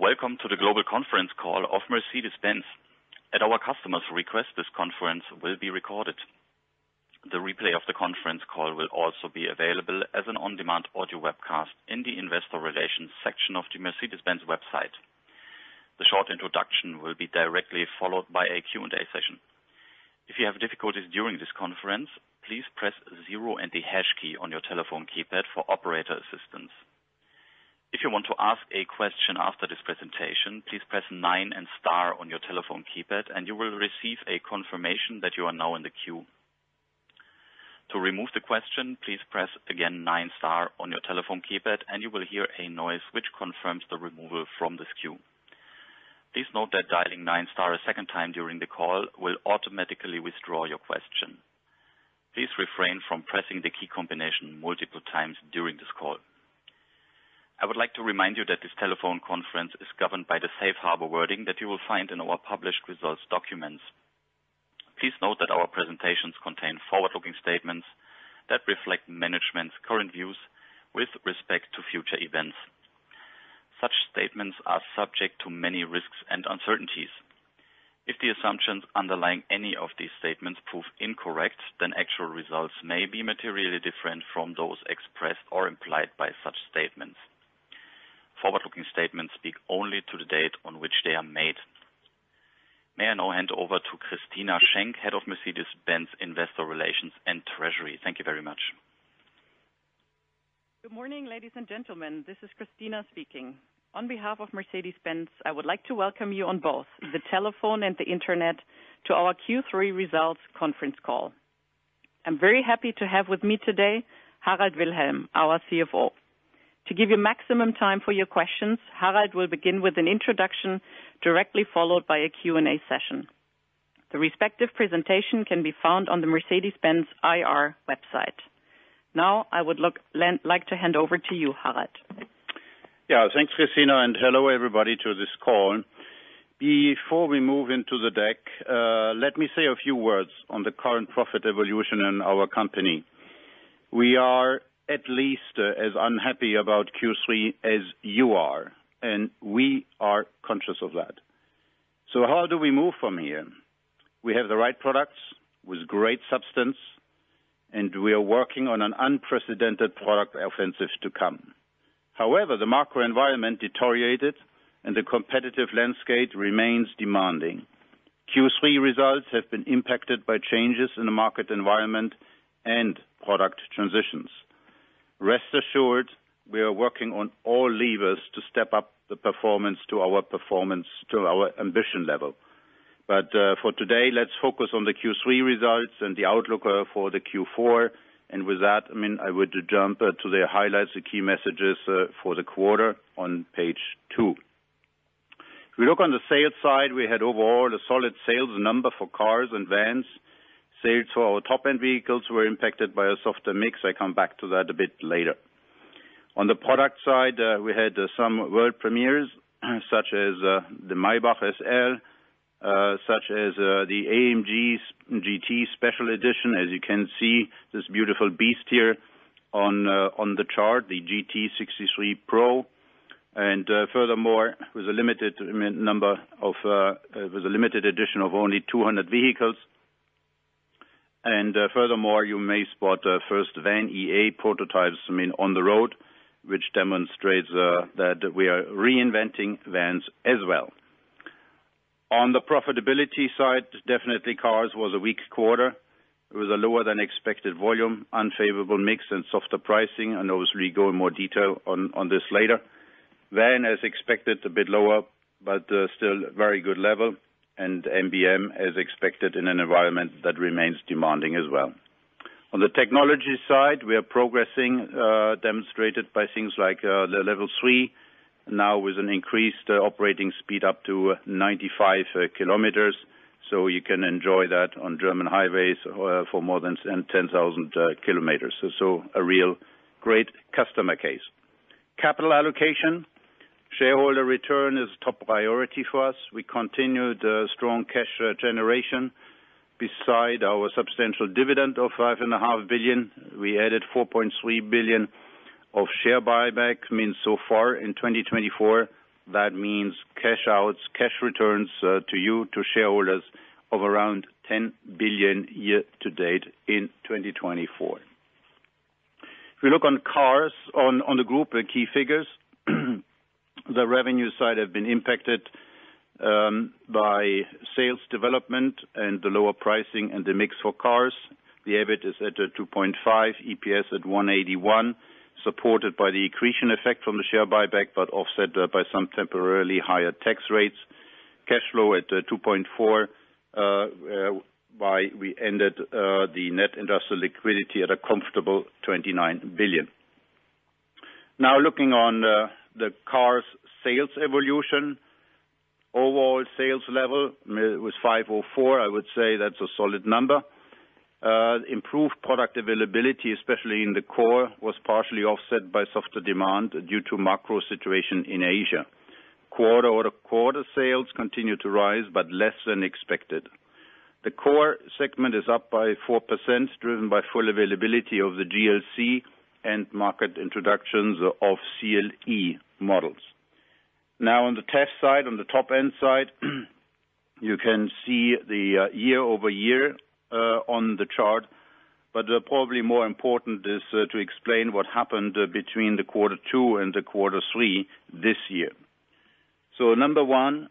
...Welcome to the global conference call of Mercedes-Benz. At our customers' request, this conference will be recorded. The replay of the conference call will also be available as an on-demand audio webcast in the Investor Relations section of the Mercedes-Benz website. The short introduction will be directly followed by a Q&A session. If you have difficulties during this conference, please press zero and the hash key on your telephone keypad for operator assistance. If you want to ask a question after this presentation, please press nine and star on your telephone keypad, and you will receive a confirmation that you are now in the queue. To remove the question, please press again nine star on your telephone keypad, and you will hear a noise which confirms the removal from this queue. Please note that dialing nine star a second time during the call will automatically withdraw your question. Please refrain from pressing the key combination multiple times during this call. I would like to remind you that this telephone conference is governed by the safe harbor wording that you will find in our published results documents. Please note that our presentations contain forward-looking statements that reflect management's current views with respect to future events. Such statements are subject to many risks and uncertainties. If the assumptions underlying any of these statements prove incorrect, then actual results may be materially different from those expressed or implied by such statements. Forward-looking statements speak only to the date on which they are made. May I now hand over to Christina Schenck, Head of Mercedes-Benz Investor Relations and Treasury. Thank you very much. Good morning, ladies and gentlemen. This is Christina speaking. On behalf of Mercedes-Benz, I would like to welcome you on both the telephone and the Internet to our Q3 Results Conference Call. I'm very happy to have with me today, Harald Wilhelm, our CFO. To give you maximum time for your questions, Harald will begin with an introduction, directly followed by a Q&A session. The respective presentation can be found on the Mercedes-Benz IR website. Now, I would like to hand over to you, Harald. Yeah, thanks, Christina, and hello, everybody, to this call. Before we move into the deck, let me say a few words on the current profit evolution in our company. We are at least as unhappy about Q3 as you are, and we are conscious of that. So how do we move from here? We have the right products with great substance, and we are working on an unprecedented product offensive to come. However, the macro environment deteriorated, and the competitive landscape remains demanding. Q3 results have been impacted by changes in the market environment and product transitions. Rest assured, we are working on all levers to step up the performance to our ambition level. But, for today, let's focus on the Q3 results and the outlook for the Q4. With that, I mean, I would jump to the highlights, the key messages, for the quarter on page two. If we look on the sales side, we had overall a solid sales number for cars and vans. Sales for our top-end vehicles were impacted by a softer mix. I come back to that a bit later. On the product side, we had some world premieres, such as the Maybach SL, such as the AMG GT special edition. As you can see, this beautiful beast here on the chart, the GT 63 Pro, and furthermore, with a limited edition of only 200 vehicles. Furthermore, you may spot the first VAN.EA prototypes, I mean, on the road, which demonstrates that we are reinventing vans as well. On the profitability side, definitely cars was a weak quarter. It was a lower than expected volume, unfavorable mix and softer pricing, and obviously go in more detail on this later. Van, as expected, a bit lower, but still very good level, and MBM, as expected, in an environment that remains demanding as well. On the technology side, we are progressing, demonstrated by things like the Level three. Now with an increased operating speed up to 95 kilometers, so you can enjoy that on German highways for more than 10,000 kilometers. So a real great customer case. Capital allocation. Shareholder return is top priority for us. We continued strong cash generation. Besides our substantial dividend of 5.5 billion, we added 4.3 billion of share buyback. So far in 2024, that means cash outs, cash returns to you, to shareholders of around 10 billion year to date in 2024. If we look on cars, on the group, the key figures, the revenue side have been impacted by sales development and the lower pricing and the mix for cars. The EBIT is at 2.5, EPS at 1.81, supported by the accretion effect from the share buyback, but offset by some temporarily higher tax rates. Cash flow at 2.4 billion, but we ended the net industrial liquidity at a comfortable 29 billion. Now, looking on the cars sales evolution. Overall sales level was 5 or 4. I would say that's a solid number. Improved product availability, especially in the core, was partially offset by softer demand due to macro situation in Asia. Quarter over quarter sales continued to rise, but less than expected. The core segment is up by 4%, driven by full availability of the GLC and market introductions of CLE models. Now, on the top end side, you can see the year-over-year on the chart, but probably more important is to explain what happened between quarter two and quarter three this year. So number one,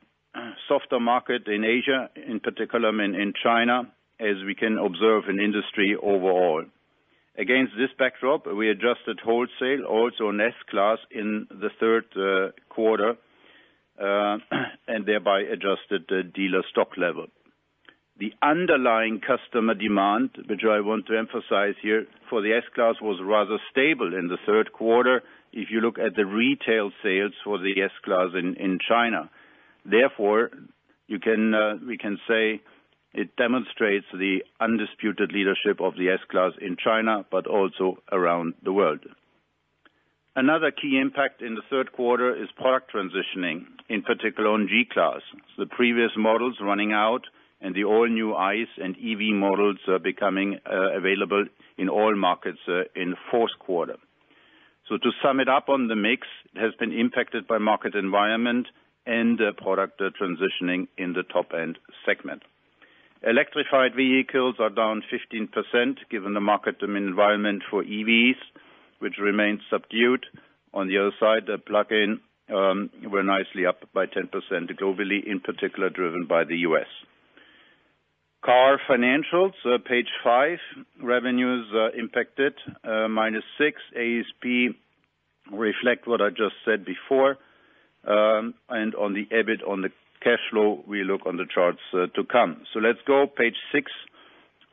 softer market in Asia, in particular in China, as we can observe in industry overall. Against this backdrop, we adjusted wholesale, also an S-Class in the third quarter, and thereby adjusted the dealer stock level. The underlying customer demand, which I want to emphasize here, for the S-Class, was rather stable in the third quarter, if you look at the retail sales for the S-Class in China. Therefore, you can, we can say it demonstrates the undisputed leadership of the S-Class in China, but also around the world. Another key impact in the third quarter is product transitioning, in particular on G-Class. The previous models running out and the all-new ICE and EV models are becoming available in all markets in the fourth quarter. So to sum it up on the mix, has been impacted by market environment and product transitioning in the top-end segment. Electrified vehicles are down 15%, given the market demand environment for EVs, which remains subdued. On the other side, the plug-in were nicely up by 10% globally, in particular, driven by the US. Car financials, page five. Revenues, impacted, -6%. ASP reflect what I just said before, and on the EBIT, on the cash flow, we look on the charts, to come. Let's go page six,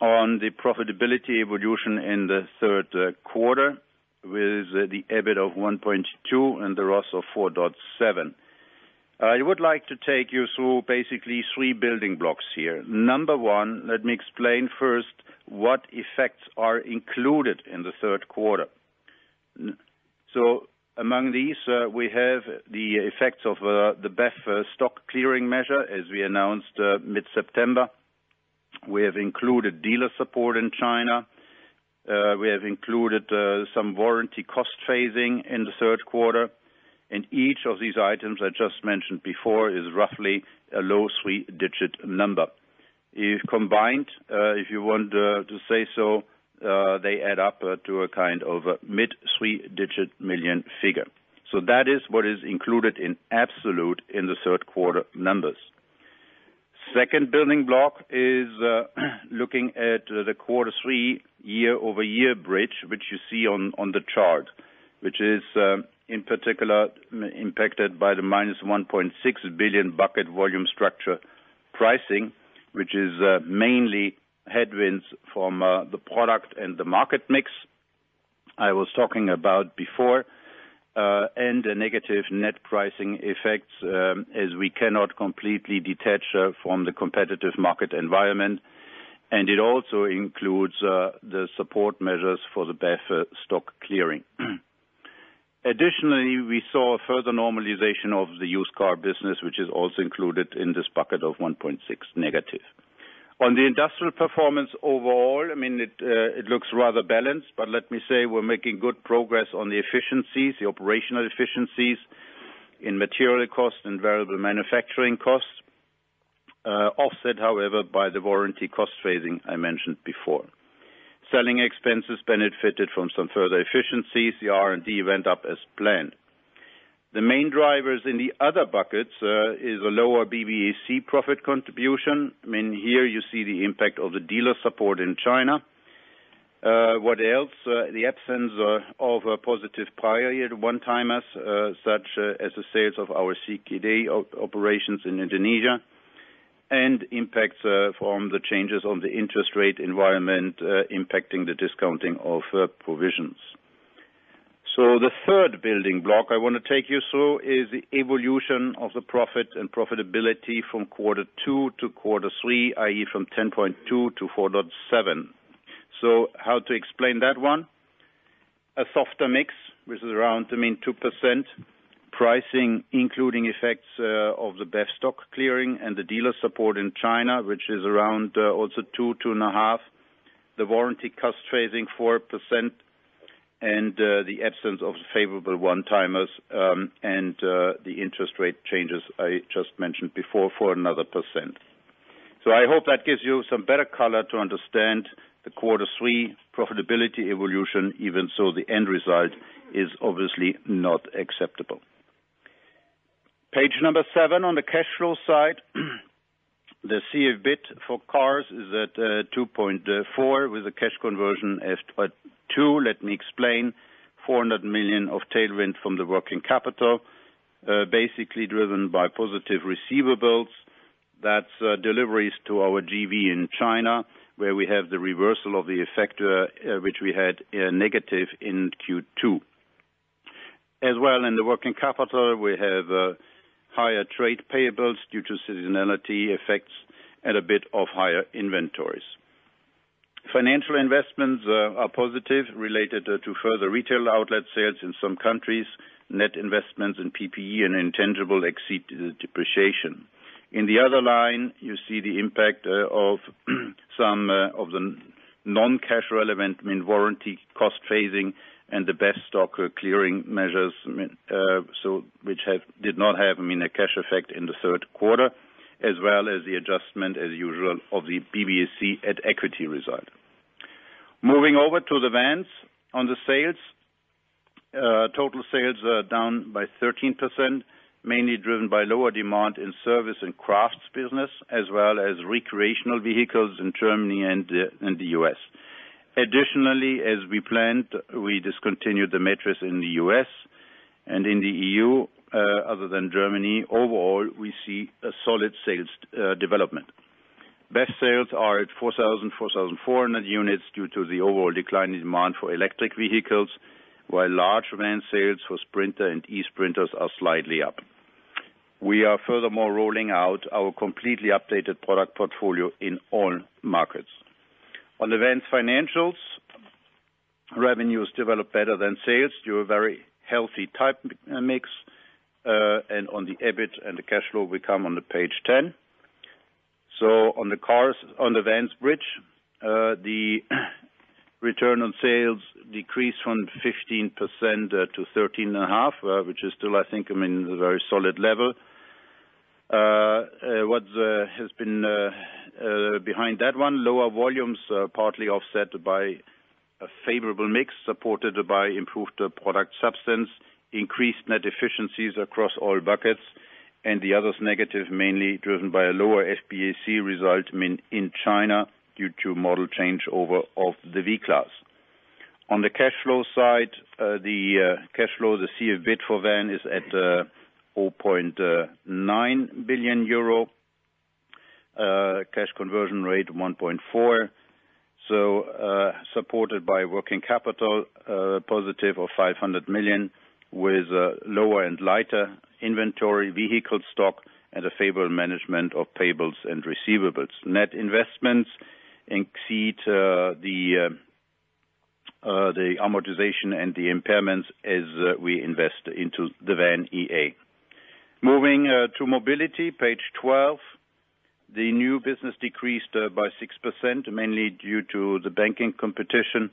on the profitability evolution in the third quarter, with the EBIT of 1.2 and the ROS of 4.7. I would like to take you through basically three building blocks here. Number one, let me explain first what effects are included in the third quarter. Among these, we have the effects of the BEV stock clearing measure, as we announced, mid-September. We have included dealer support in China. We have included some warranty cost phasing in the third quarter, and each of these items I just mentioned before is roughly a low three-digit number. If combined, if you want to say so, they add up to a kind of mid three-digit million figure. So that is what is included in absolute in the third quarter numbers. Second building block is looking at the quarter three year-over-year bridge, which you see on the chart, which is in particular impacted by the minus 1.6 billion bucket volume structure pricing, which is mainly headwinds from the product and the market mix I was talking about before, and the negative net pricing effects, as we cannot completely detach from the competitive market environment, and it also includes the support measures for the BEV stock clearing. Additionally, we saw a further normalization of the used car business, which is also included in this bucket of 1.6 negative. On the industrial performance overall, I mean, it looks rather balanced, but let me say we're making good progress on the efficiencies, the operational efficiencies in material costs and variable manufacturing costs, offset, however, by the warranty cost saving I mentioned before. Selling expenses benefited from some further efficiencies. The R&D went up as planned. The main drivers in the other buckets is a lower BBAC profit contribution. I mean, here you see the impact of the dealer support in China. What else? The absence of a positive prior year one-timers, such as the sales of our CKD operations in Indonesia, and impacts from the changes on the interest rate environment, impacting the discounting of provisions. So the third building block I want to take you through is the evolution of the profit and profitability from quarter two to quarter three, i.e., from 10.2 to 4.7. So how to explain that one? A softer mix, which is around, I mean, 2%. Pricing, including effects of the BEV stock clearing and the dealer support in China, which is around also 2, 2 and a half. The warranty cost trading 4%, and the absence of favorable one-timers, and the interest rate changes I just mentioned before for another percent. So I hope that gives you some better color to understand the quarter three profitability evolution, even so the end result is obviously not acceptable. Page number seven, on the cash flow side. The CFBIT for cars is at 2.4, with a cash conversion of 2. Let me explain. 400 million of tailwind from the working capital, basically driven by positive receivables. That's deliveries to our JV in China, where we have the reversal of the effect, which we had negative in Q2. As well, in the working capital, we have higher trade payables due to seasonality effects and a bit of higher inventories. Financial investments are positive related to further retail outlet sales in some countries, net investments in PPE and intangibles exceed depreciation. In the other line, you see the impact of some of the non-cash relevant main warranty cost phasing and the best stock clearing measures, so which did not have, I mean, a cash effect in the third quarter, as well as the adjustment as usual of the BBAC at equity result. Moving over to the vans, on the sales, total sales are down by 13%, mainly driven by lower demand in service and crafts business, as well as recreational vehicles in Germany and the US. Additionally, as we planned, we discontinued the Metris in the US, and in the EU, other than Germany, overall, we see a solid sales development. BEV sales are at 4,000, 4,400 units due to the overall decline in demand for electric vehicles, while large van sales for Sprinter and eSprinter are slightly up. We are furthermore rolling out our completely updated product portfolio in all markets. On the Vans financials, revenues develop better than sales due to a very healthy type mix, and on the EBIT and the cash flow we come on the page 10. So on the Cars, on the Vans bridge, the return on sales decreased from 15% to 13.5%, which is still, I think, I mean, a very solid level. What has been behind that one, lower volumes, partly offset by a favorable mix, supported by improved product substance, increased net efficiencies across all buckets, and the others negative, mainly driven by a lower SBAC result in China, due to model changeover of the V-Class. On the cash flow side, the cash flow, the CFBIT for van is at 0.9 billion euro, cash conversion rate 1.4. So, supported by working capital positive of 500 million, with lower and lighter inventory, vehicle stock, and a favorable management of payables and receivables. Net investments exceed the amortization and the impairments as we invest into the VAN.EA. Moving to mobility, page 12, the new business decreased by 6%, mainly due to the banking competition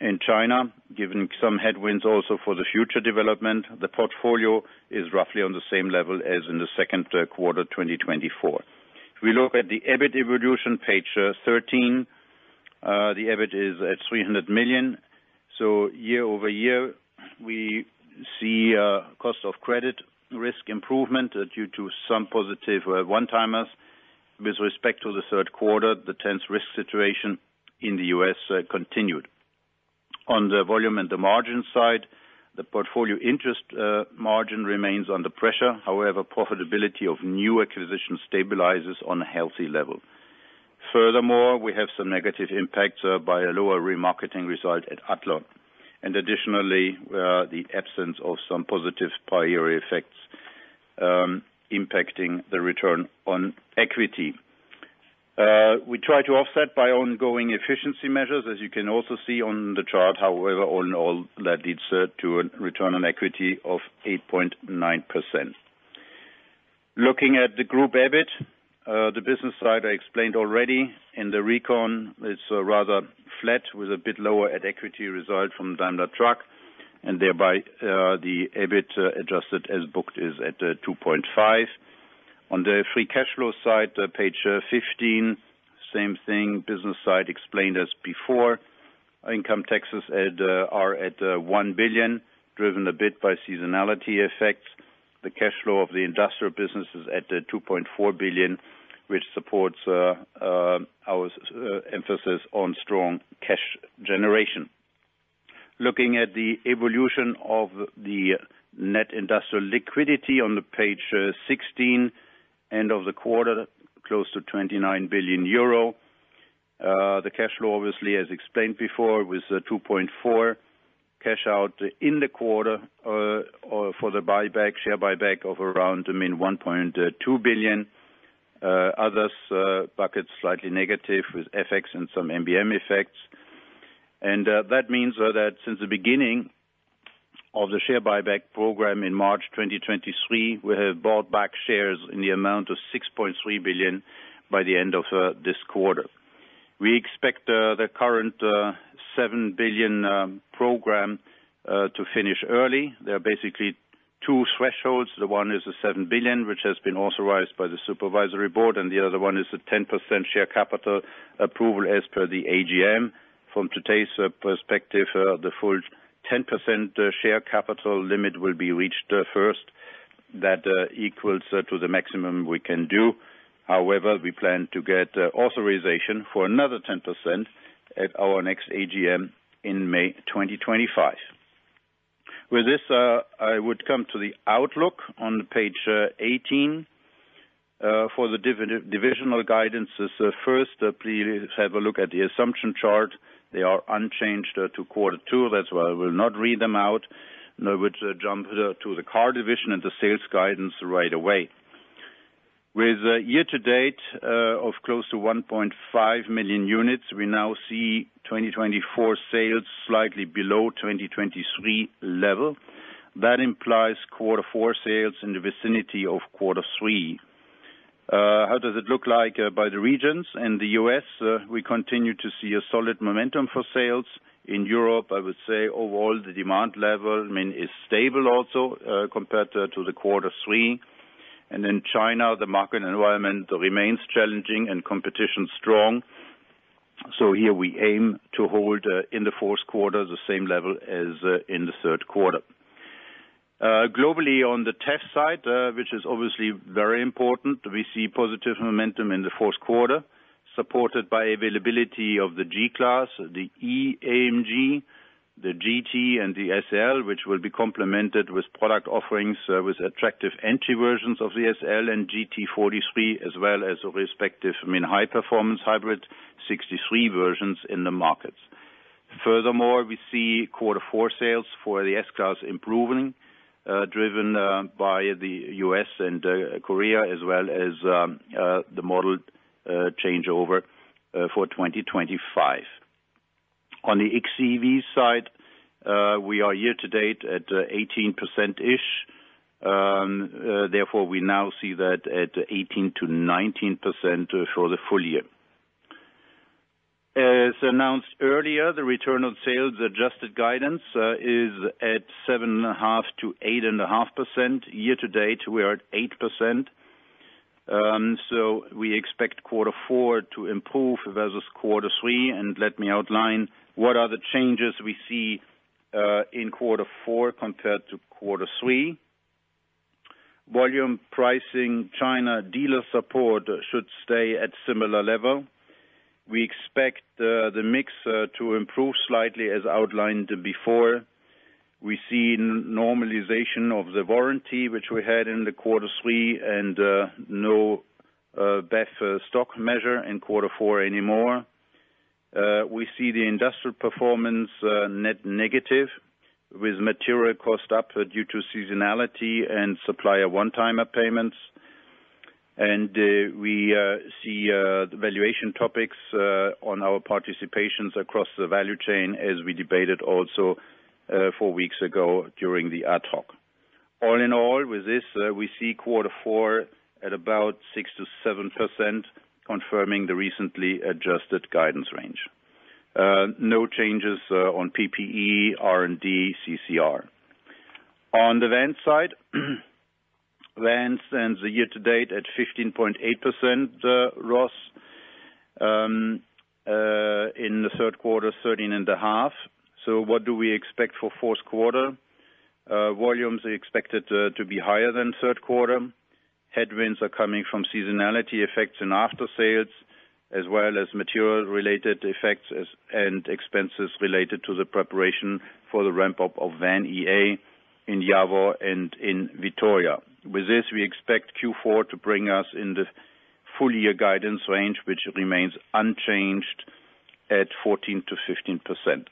in China. Given some headwinds also for the future development, the portfolio is roughly on the same level as in the second quarter, 2024. If we look at the EBIT evolution, page 13, the EBIT is at €300 million. So year over year, we see cost of credit risk improvement due to some positive one-timers. With respect to the third quarter, the intense risk situation in the U.S. continued. On the volume and the margin side, the portfolio interest margin remains under pressure, however, profitability of new acquisitions stabilizes on a healthy level. Furthermore, we have some negative impacts by a lower remarketing result at Athlon, and additionally, the absence of some positive prior effects, impacting the return on equity. We try to offset by ongoing efficiency measures, as you can also see on the chart; however, all in all, that leads to a return on equity of 8.9%. Looking at the group EBIT, the business side, I explained already, and the recon is rather flat with a bit lower at equity result from Daimler Truck, and thereby, the EBIT, adjusted as booked is at 2.5. On the free cash flow side, page 15, same thing. Business side explained as before. Income taxes are at 1 billion, driven a bit by seasonality effects. The cash flow of the industrial business is at 2.4 billion, which supports our emphasis on strong cash generation. Looking at the evolution of the net industrial liquidity on page 16, end of the quarter, close to 29 billion euro. The cash flow, obviously, as explained before, with 2.4 billion cash out in the quarter for the buyback, share buyback of around, I mean, 1.2 billion. Others buckets slightly negative with FX and some MBM effects. That means that since the beginning of the share buyback program in March 2023, we have bought back shares in the amount of 6.3 billion by the end of this quarter. We expect the current 7 billion program to finish early. There are basically two thresholds: the one is the seven billion, which has been authorized by the supervisory board, and the other one is the 10% share capital approval as per the AGM. From today's perspective, the full 10% share capital limit will be reached first. That equals to the maximum we can do. However, we plan to get authorization for another 10% at our next AGM in May 2025. With this, I would come to the outlook on page 18. For the divisional guidances, first, please have a look at the assumption chart. They are unchanged to quarter two. That's why I will not read them out, and I would jump to the car division and the sales guidance right away. With year to date of close to 1.5 million units, we now see 2024 sales slightly below 2023 level. That implies quarter four sales in the vicinity of quarter three. How does it look like by the regions? In the U.S., we continue to see a solid momentum for sales. In Europe, I would say overall, the demand level, I mean, is stable also, compared to the quarter three, and in China, the market environment remains challenging and competition strong. So here we aim to hold in the fourth quarter the same level as in the third quarter. Globally, on the luxury side, which is obviously very important, we see positive momentum in the fourth quarter, supported by availability of the G-Class, the E AMG, the GT, and the SL, which will be complemented with product offerings with attractive entry versions of the SL and GT 43, as well as the respective AMG high-performance hybrid 63 versions in the markets. Furthermore, we see quarter four sales for the S-Class improving, driven by the U.S. and Korea, as well as the model changeover for 2025. On the XEV side, we are year to date at 18%-ish. Therefore, we now see that at 18%-19% for the full year. As announced earlier, the return on sales adjusted guidance is at 7.5%-8.5%. Year to date, we are at 8%. So we expect quarter four to improve versus quarter three, and let me outline what are the changes we see in quarter four compared to quarter three. Volume pricing, China dealer support should stay at similar level. We expect the mix to improve slightly as outlined before. We see normalization of the warranty, which we had in quarter three, and no BEV stock measure in quarter four anymore. We see the industrial performance net negative, with material cost up due to seasonality and supplier one-time payments, and we see the valuation topics on our participations across the value chain as we debated also four weeks ago during the ad hoc. All in all, with this, we see quarter four at about 6%-7%, confirming the recently adjusted guidance range. No changes on PPE, R&D, CCR. On the van side, vans ends the year to date at 15.8%, RoS in the third quarter, 13.5%. So what do we expect for fourth quarter? Volumes are expected to be higher than third quarter. Headwinds are coming from seasonality effects and aftersales, as well as material-related effects and expenses related to the preparation for the ramp-up of VAN.EA in Jawor and in Vitoria. With this, we expect Q4 to bring us in the full-year guidance range, which remains unchanged at 14%-15%.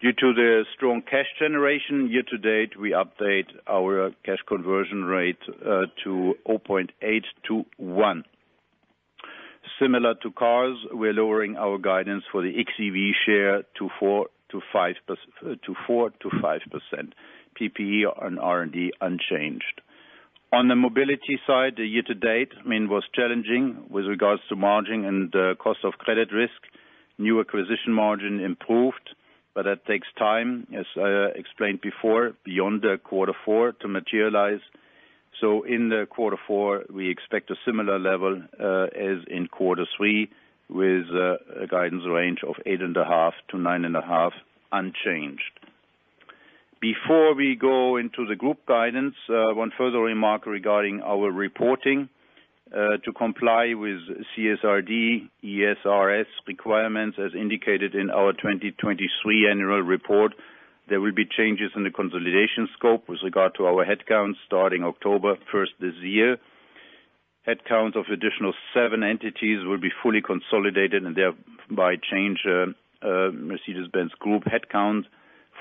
Due to the strong cash generation year to date, we update our cash conversion rate to 0.8-1. Similar to cars, we're lowering our guidance for the XEV share to 4%-5%. PPE and R&D unchanged. On the mobility side, the year to date, I mean, was challenging with regards to margin and cost of credit risk. New acquisition margin improved, but that takes time, as I explained before, beyond the quarter four to materialize. So in the quarter four, we expect a similar level as in quarter three, with a guidance range of 8.5%-9.5%, unchanged. Before we go into the group guidance, one further remark regarding our reporting. To comply with CSRD, ESRS requirements, as indicated in our 2023 annual report, there will be changes in the consolidation scope with regard to our headcount, starting October first this year. Headcount of additional seven entities will be fully consolidated and thereby change Mercedes-Benz Group headcount for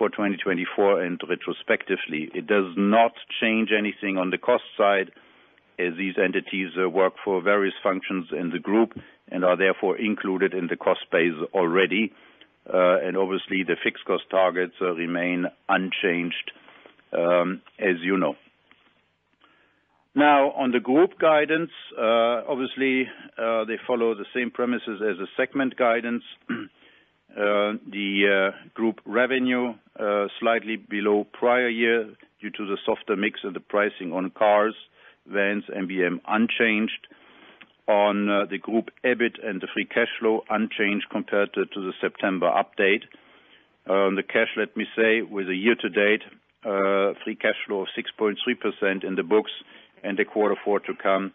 2024 and retrospectively. It does not change anything on the cost side, as these entities work for various functions in the group and are therefore included in the cost base already, and obviously, the fixed cost targets remain unchanged, as you know. Now, on the group guidance, obviously, they follow the same premises as the segment guidance. The group revenue slightly below prior year, due to the softer mix of the pricing on cars, vans, MBM unchanged. On the group EBIT and the free cash flow unchanged compared to the September update. The cash, let me say, with a year to date, free cash flow of 6.3% in the books and the quarter four to come,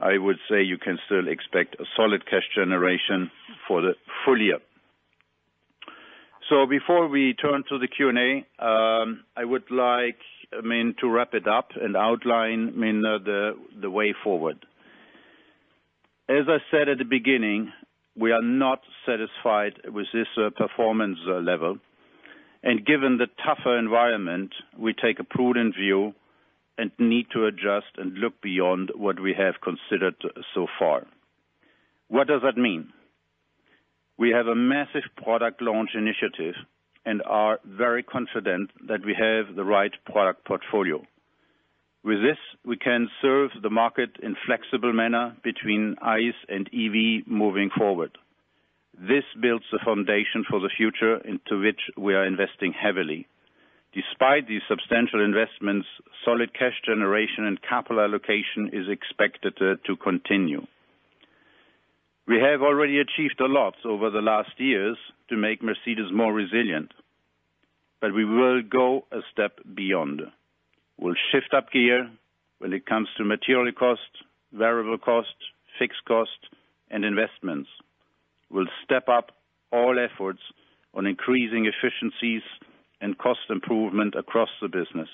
I would say you can still expect a solid cash generation for the full year. So before we turn to the Q&A, I would like, I mean, to wrap it up and outline, I mean, the way forward. As I said at the beginning, we are not satisfied with this performance level, and given the tougher environment, we take a prudent view and need to adjust and look beyond what we have considered so far. What does that mean? We have a massive product launch initiative and are very confident that we have the right product portfolio. With this, we can serve the market in flexible manner between ICE and EV moving forward. This builds the foundation for the future into which we are investing heavily. Despite these substantial investments, solid cash generation and capital allocation is expected to continue. We have already achieved a lot over the last years to make Mercedes more resilient, but we will go a step beyond. We'll shift up gear when it comes to material cost, variable cost, fixed cost, and investments. We'll step up all efforts on increasing efficiencies and cost improvement across the business.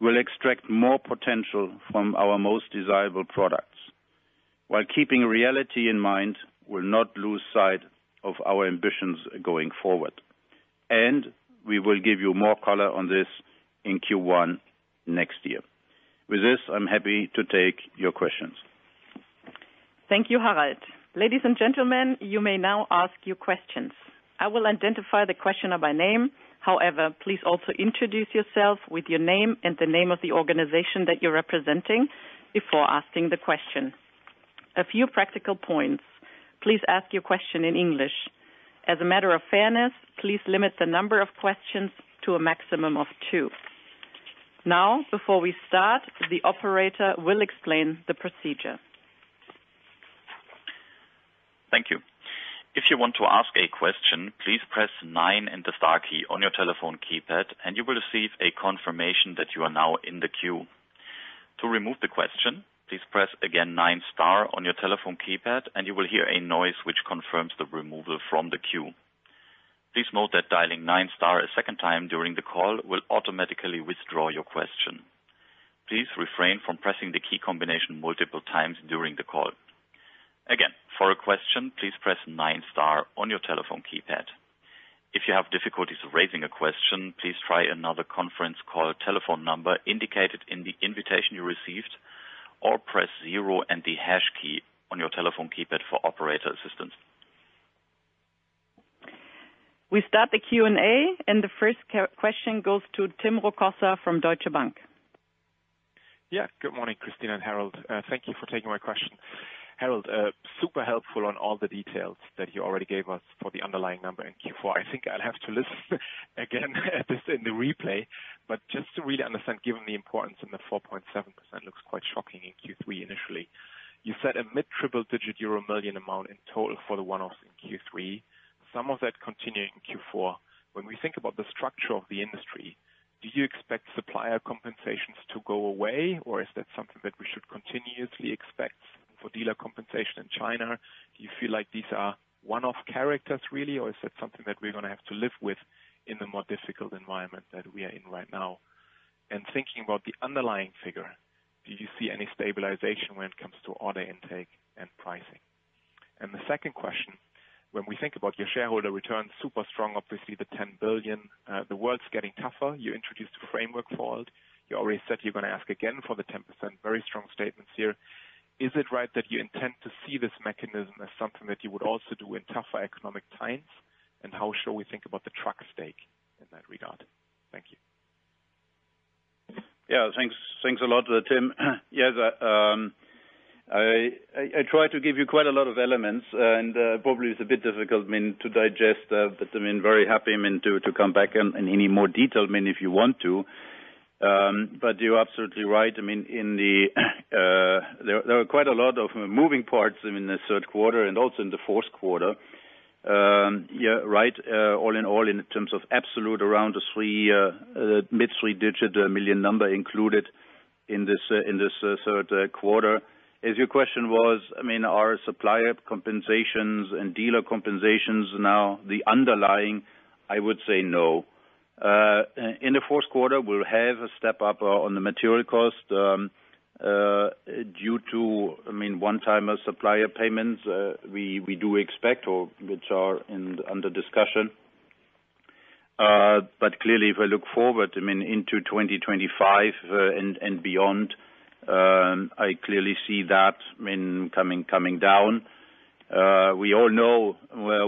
We'll extract more potential from our most desirable products. While keeping reality in mind, we'll not lose sight of our ambitions going forward, and we will give you more color on this in Q1 next year. With this, I'm happy to take your questions. Thank you, Harald. Ladies and gentlemen, you may now ask your questions. I will identify the questioner by name. However, please also introduce yourself with your name and the name of the organization that you're representing before asking the question. A few practical points: please ask your question in English. As a matter of fairness, please limit the number of questions to a maximum of two. Now, before we start, the operator will explain the procedure. Thank you. If you want to ask a question, please press nine and the star key on your telephone keypad, and you will receive a confirmation that you are now in the queue. To remove the question, please press again nine star on your telephone keypad, and you will hear a noise which confirms the removal from the queue. Please note that dialing nine star a second time during the call will automatically withdraw your question. Please refrain from pressing the key combination multiple times during the call. Again, for a question, please press nine star on your telephone keypad. If you have difficulties raising a question, please try another conference call telephone number indicated in the invitation you received, or press zero and the hash key on your telephone keypad for operator assistance. We start the Q&A, and the first question goes to Tim Rokossa from Deutsche Bank. Yeah, good morning, Christina and Harald. Thank you for taking my question. Harald, super helpful on all the details that you already gave us for the underlying number in Q4. I think I'll have to listen again at this in the replay. But just to really understand, given the importance, and the 4.7% looks quite shocking in Q3 initially. You said a mid-triple-digit EUR million amount in total for the one-offs in Q3, some of that continuing in Q4. When we think about the structure of the industry, do you expect supplier compensations to go away, or is that something that we should continuously expect for dealer compensation in China? Do you feel like these are one-off charges really, or is that something that we're gonna have to live with in the more difficult environment that we are in right now? Thinking about the underlying figure, do you see any stabilization when it comes to order intake and pricing? And the second question: when we think about your shareholder returns, super strong, obviously, the 10 billion, the world's getting tougher. You introduced a framework for it. You already said you're going to ask again for the 10%. Very strong statements here. Is it right that you intend to see this mechanism as something that you would also do in tougher economic times? And how should we think about the truck stake in that regard? Thank you. Yeah, thanks. Thanks a lot, Tim. Yeah, I tried to give you quite a lot of elements, and probably it's a bit difficult, I mean, to digest, but I mean, very happy, I mean, to come back in any more detail, I mean, if you want to. But you're absolutely right, I mean, in the, there are quite a lot of moving parts in the third quarter and also in the fourth quarter. Yeah, right, all in all, in terms of absolute, around a mid-three-digit million number included in this, in this, third quarter. As your question was, I mean, are supplier compensations and dealer compensations now the underlying? I would say no. In the fourth quarter, we'll have a step-up on the material cost, due to, I mean, one-time supplier payments, we do expect or which are under discussion. But clearly, if I look forward, I mean, into 2025, and beyond, I clearly see that, I mean, coming down. We all know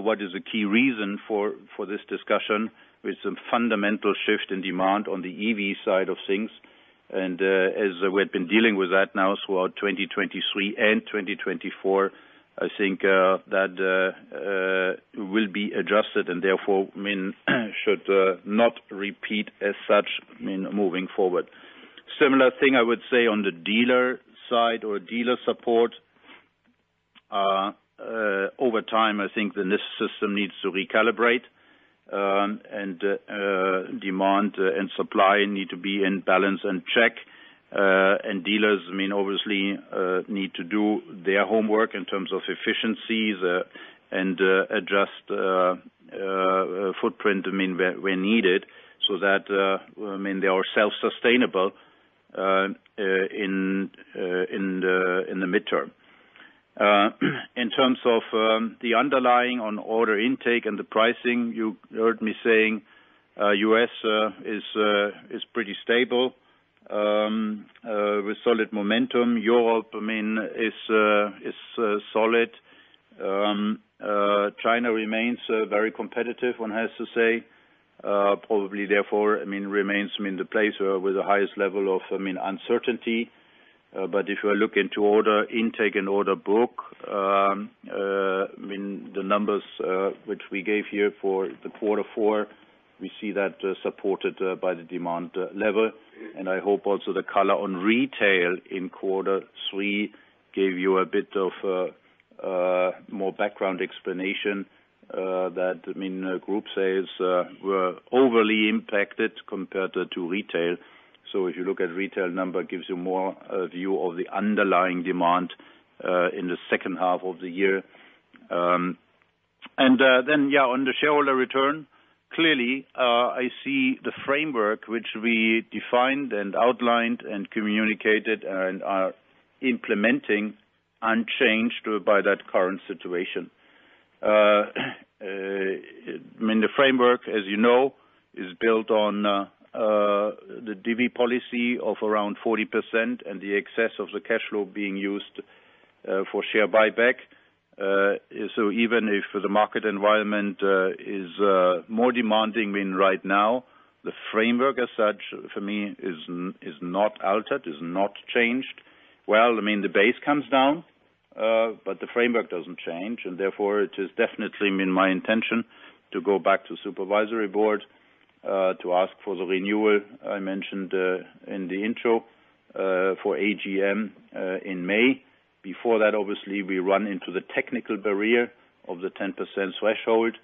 what is the key reason for this discussion, with some fundamental shift in demand on the EV side of things. And as we have been dealing with that now throughout 2023 and 2024, I think that will be adjusted and therefore, I mean, should not repeat as such, I mean, moving forward. Similar thing I would say on the dealer side or dealer support, over time, I think then this system needs to recalibrate, and demand and supply need to be in balance and check. And dealers, I mean, obviously, need to do their homework in terms of efficiencies, and adjust footprint, I mean, where needed, so that, I mean, they are self-sustainable in the midterm. In terms of the underlying on order intake and the pricing, you heard me saying, US is pretty stable, with solid momentum. Europe, I mean, is solid. China remains very competitive, one has to say. Probably therefore, I mean, remains, I mean, the place with the highest level of, I mean, uncertainty. But if you look into order intake and order book, I mean, the numbers which we gave here for quarter four, we see that, supported by the demand level. I hope also the color on retail in quarter three gave you a bit of more background explanation, that, I mean, group sales were overly impacted compared to, to retail. So if you look at retail number, gives you more view of the underlying demand in the second half of the year. And, then, yeah, on the shareholder return, clearly, I see the framework which we defined and outlined and communicated and are implementing unchanged by that current situation. I mean, the framework, as you know, is built on the DV policy of around 40% and the excess of the cash flow being used for share buyback. So even if the market environment is more demanding than right now, the framework as such for me is not altered, is not changed. Well, I mean, the base comes down, but the framework doesn't change, and therefore it is definitely, I mean, my intention to go back to Supervisory Board to ask for the renewal I mentioned in the intro for AGM in May. Before that, obviously, we run into the technical barrier of the 10% threshold,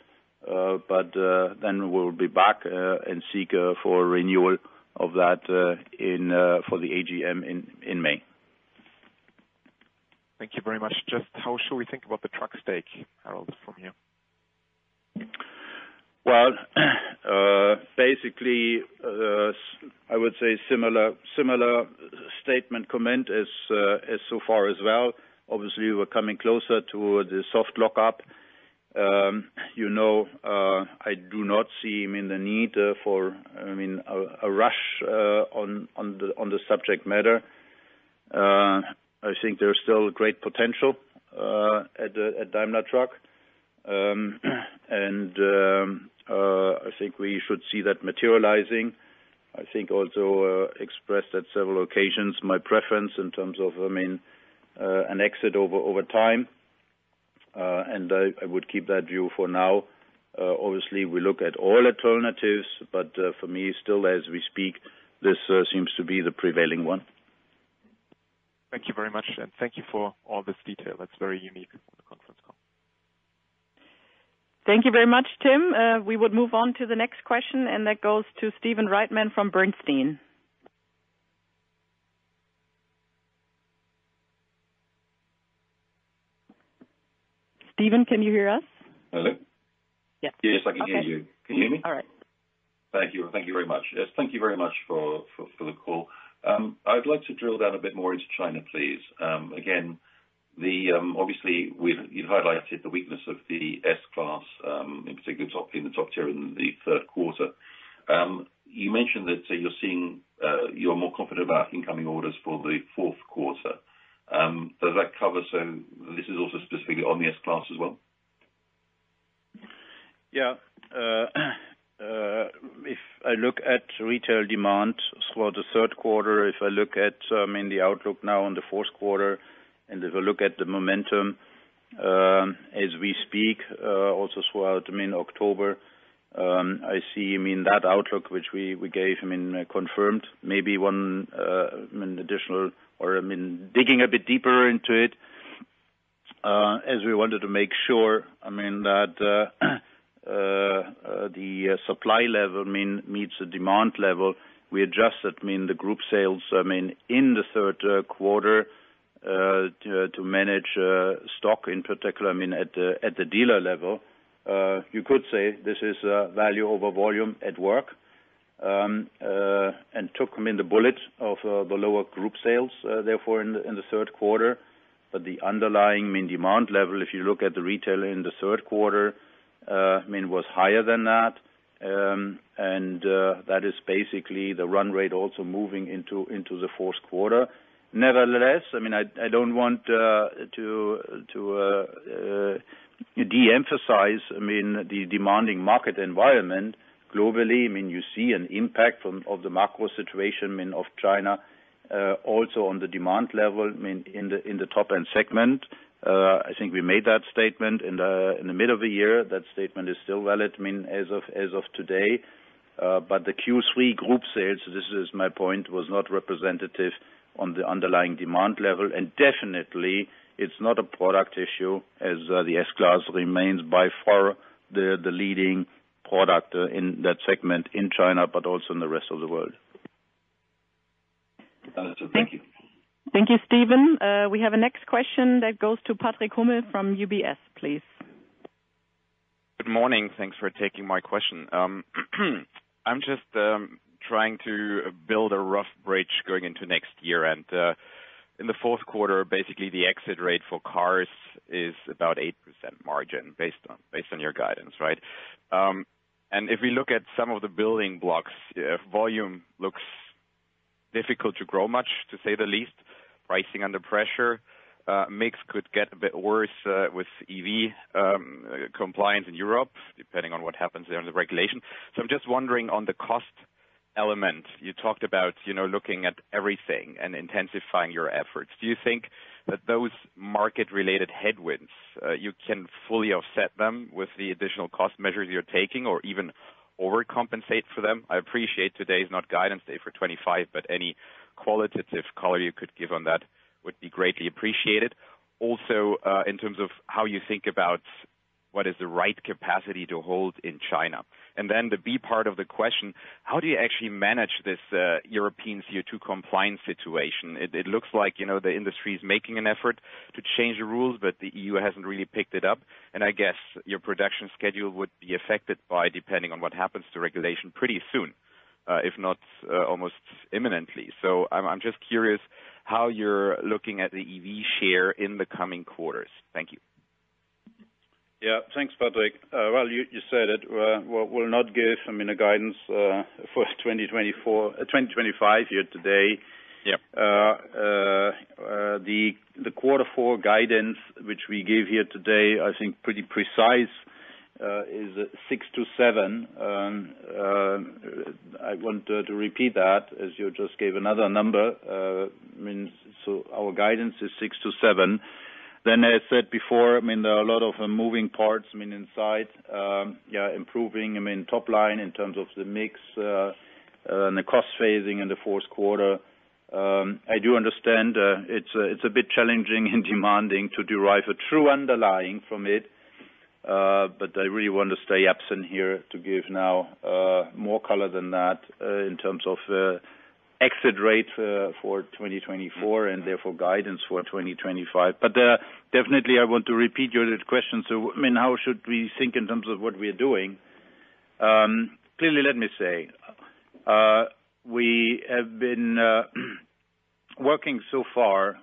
but then we'll be back and seek for renewal of that in for the AGM in May. Thank you very much. Just how should we think about the truck stake, Harald, from here? Basically, I would say similar, similar statement comment as, as so far as well. Obviously, we're coming closer to the soft lockup. You know, I do not see, I mean, the need for, I mean, a rush, on the subject matter. I think there's still great potential, at Daimler Truck. And, I think we should see that materializing. I think also, expressed at several occasions my preference in terms of, I mean, an exit over, over time, and I would keep that view for now. Obviously, we look at all alternatives, but, for me, still as we speak, this, seems to be the prevailing one. Thank you very much, and thank you for all this detail. That's very unique on the conference call. Thank you very much, Tim. We would move on to the next question, and that goes to Stephen Reitman from Bernstein. Stephen, can you hear us? Hello? Yes. Yes, I can hear you. Okay. Can you hear me? All right. Thank you. Thank you very much. Yes, thank you very much for the call. I would like to drill down a bit more into China, please. Again, obviously, you've highlighted the weakness of the S-Class, in particular, in the top tier in the third quarter. You mentioned that you're seeing you're more confident about incoming orders for the fourth quarter. Does that cover, so this is also specifically on the S-Class as well? Yeah. If I look at retail demand for the third quarter, if I look at in the outlook now in the fourth quarter, and if I look at the momentum as we speak also throughout, I mean, October, I see, I mean, that outlook, which we gave, I mean, confirmed maybe one additional or, I mean, digging a bit deeper into it, as we wanted to make sure, I mean, that the supply level, I mean, meets the demand level, we adjusted, I mean, the group sales, I mean, in the third quarter, to manage stock in particular, I mean, at the dealer level. You could say this is value over volume at work, and took them in the bullet of the lower group sales, therefore, in the third quarter. But the underlying mean demand level, if you look at the retail in the third quarter, I mean, was higher than that. And that is basically the run rate also moving into the fourth quarter. Nevertheless, I mean, I don't want to de-emphasize, I mean, the demanding market environment globally. I mean, you see an impact from of the macro situation, I mean, of China, also on the demand level, I mean, in the top-end segment. I think we made that statement in the middle of the year. That statement is still valid, I mean, as of today. But the Q3 group sales, this is my point, was not representative on the underlying demand level, and definitely, it's not a product issue, as the S-Class remains by far the leading product in that segment in China, but also in the rest of the world. Understood. Thank you. Thank you, Stephen. We have a next question that goes to Patrick Hummel from UBS, please.... Good morning. Thanks for taking my question. I'm just trying to build a rough bridge going into next year, and in the fourth quarter, basically the exit rate for cars is about 8% margin, based on your guidance, right? And if we look at some of the building blocks, volume looks difficult to grow much, to say the least. Pricing under pressure, mix could get a bit worse, with EV compliance in Europe, depending on what happens there on the regulation. So I'm just wondering, on the cost element, you talked about, you know, looking at everything and intensifying your efforts. Do you think that those market-related headwinds, you can fully offset them with the additional cost measures you're taking or even overcompensate for them? I appreciate today is not guidance day for 2025, but any qualitative color you could give on that would be greatly appreciated. Also, in terms of how you think about what is the right capacity to hold in China. And then the B part of the question: how do you actually manage this, European CO2 compliance situation? It looks like, you know, the industry is making an effort to change the rules, but the EU hasn't really picked it up, and I guess your production schedule would be affected by depending on what happens to regulation pretty soon, if not, almost imminently. So I'm just curious how you're looking at the EV share in the coming quarters. Thank you. Yeah, thanks, Patrick. Well, you said it, we'll not give, I mean, a guidance for 2024, 2025 here today. Yeah. The quarter four guidance, which we gave here today, I think, pretty precise, is six to seven. I want to repeat that, as you just gave another number. I mean, so our guidance is six to seven. Then I said before, I mean, there are a lot of moving parts, I mean, inside, yeah, improving, I mean, top line in terms of the mix, and the cost phasing in the fourth quarter. I do understand, it's a bit challenging and demanding to derive a true underlying from it, but I really want to abstain here to give now more color than that, in terms of exit rate for 2024, and therefore guidance for 2025. But, definitely I want to repeat your question, so, I mean, how should we think in terms of what we are doing? Clearly, let me say, we have been working so far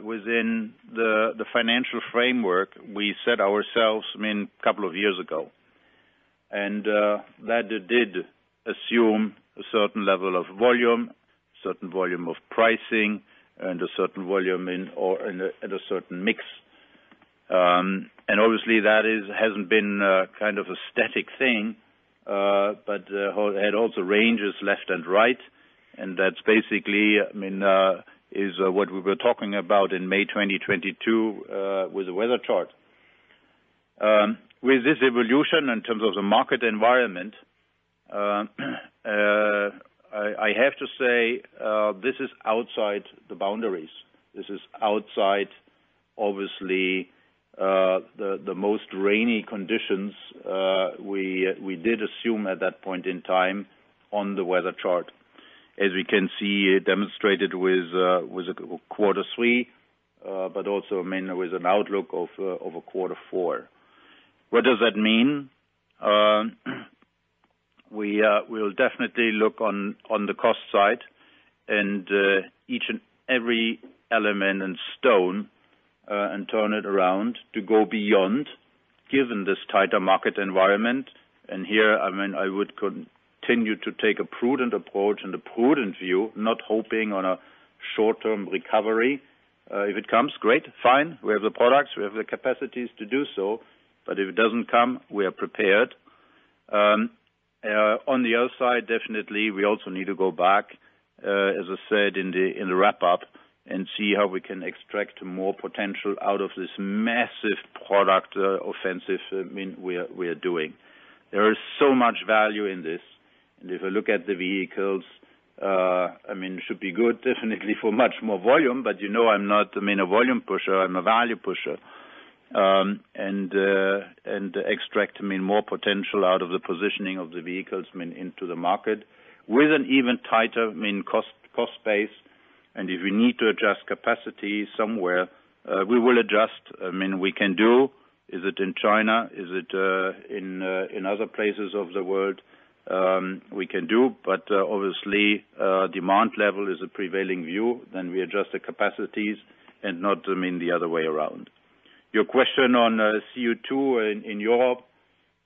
within the financial framework we set ourselves, I mean, a couple of years ago. And, that did assume a certain level of volume, certain volume of pricing, and a certain volume in or in a, and a certain mix. And obviously, that hasn't been kind of a static thing, but, it had also ranges left and right, and that's basically, I mean, is what we were talking about in May 2022, with the weather chart. With this evolution in terms of the market environment, I have to say, this is outside the boundaries. This is outside, obviously, the most rainy conditions we did assume at that point in time on the weather chart. As we can see, demonstrated with a quarter three, but also, I mean, with an outlook of a quarter four. What does that mean? We'll definitely look on the cost side and each and every element and stone and turn it around to go beyond, given this tighter market environment. And here, I mean, I would continue to take a prudent approach and a prudent view, not hoping on a short-term recovery. If it comes, great, fine. We have the products, we have the capacities to do so, but if it doesn't come, we are prepared. On the outside, definitely, we also need to go back, as I said in the wrap-up, and see how we can extract more potential out of this massive product offensive, I mean, we're doing. There is so much value in this, and if I look at the vehicles, I mean, it should be good, definitely for much more volume, but you know, I'm not, I mean, a volume pusher, I'm a value pusher. And extract, I mean, more potential out of the positioning of the vehicles, I mean, into the market with an even tighter, I mean, cost base. And if we need to adjust capacity somewhere, we will adjust. I mean, we can do. Is it in China? Is it in other places of the world? We can do, but obviously, demand level is a prevailing view, then we adjust the capacities and not, I mean, the other way around. Your question on CO2 in Europe,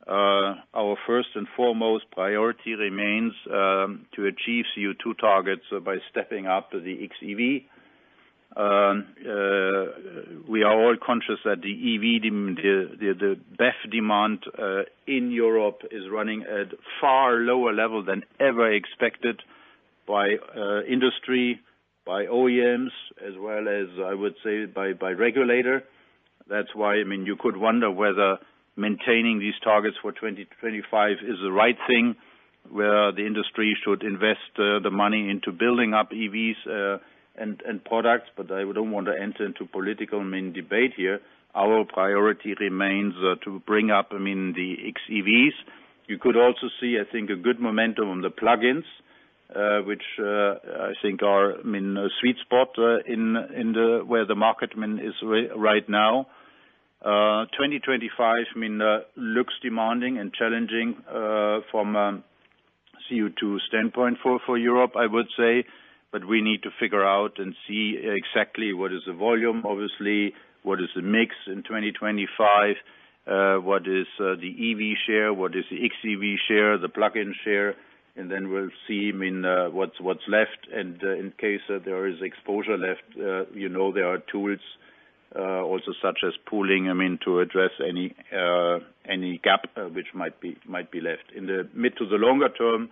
our first and foremost priority remains to achieve CO2 targets by stepping up to the XEV. We are all conscious that the BEV demand in Europe is running at far lower level than ever expected by industry, by OEMs, as well as, I would say, by regulator. That's why, I mean, you could wonder whether maintaining these targets for 2025 is the right thing, where the industry should invest the money into building up EVs and products, but I don't want to enter into political, I mean, debate here. Our priority remains to bring up, I mean, the XEVs. You could also see, I think, a good momentum on the plugins, which I think are, I mean, a sweet spot in where the market is right now. 2025, I mean, looks demanding and challenging from a CO2 standpoint for Europe, I would say. But we need to figure out and see exactly what is the volume, obviously, what is the mix in 2025? What is the EV share? What is the XEV share, the plug-in share? And then we'll see, I mean, what's left, and in case there is exposure left, you know, there are tools also, such as pooling. I mean, to address any gap which might be left. In the mid- to the longer term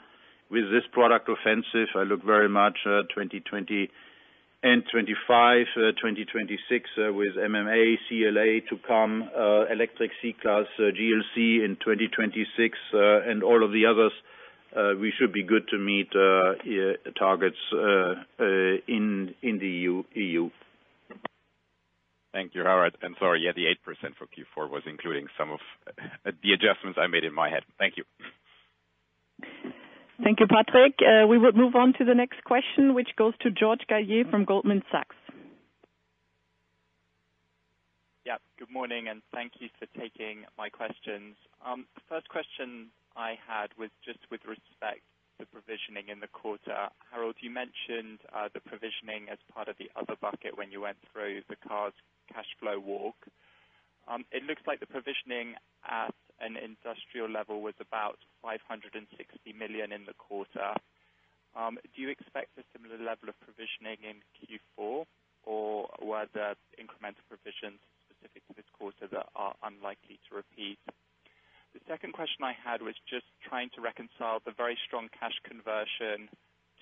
with this product offensive, I look very much 2020 and 2025, 2026 with MMA, CLA to come, electric C-Class, GLC in 2026, and all of the others. We should be good to meet in the EU. Thank you, Harald. And sorry, yeah, the 8% for Q4 was including some of the adjustments I made in my head. Thank you. Thank you, Patrick. We will move on to the next question, which goes to George Galliers from Goldman Sachs. Yeah. Good morning, and thank you for taking my questions. The first question I had was just with respect to provisioning in the quarter. Harald, you mentioned the provisioning as part of the other bucket when you went through the cars cash flow walk. It looks like the provisioning at an industrial level was about 560 million in the quarter. Do you expect a similar level of provisioning in Q4, or were the incremental provisions specific to this quarter that are unlikely to repeat? The second question I had was just trying to reconcile the very strong cash conversion